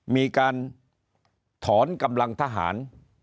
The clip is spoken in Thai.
มีการถอนกำลังทหาร